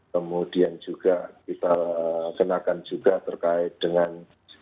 kemudian juga kita kenakan juga terkait dengan